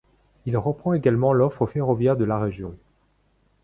Il reprend également l'offre ferroviaire de la région.